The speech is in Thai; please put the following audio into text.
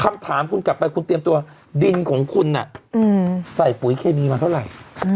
คำถามคุณกลับไปคุณเตรียมตัวดินของคุณใส่ปุ๋ยเคมีมาเท่าไหร่